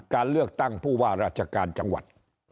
การเลือกตั้งผู้ว่าราชการจังหวัด